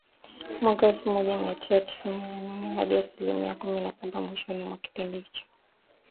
mwaka elfu moja mia tisa tisini na nne hadi asilimia kumi na saba mwishoni mwa kipindi hicho